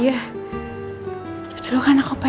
jadi aku mau kasih ballpoint ini